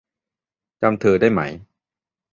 จำเธอได้ไหม ?